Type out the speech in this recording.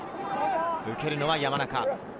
受けるのは山中。